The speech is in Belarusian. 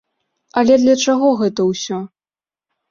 Але для чаго гэта ўсё?